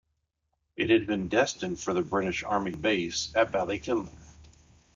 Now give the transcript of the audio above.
It had been destined for the British Army base at Ballykinler.